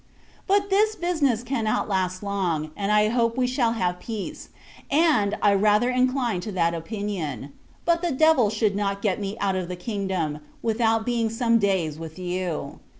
But this business cannot last long, and I hope we shall have peace; and, I rather incline to that opinion. But the Devil should not get me out of the kingdom, without being some days with you.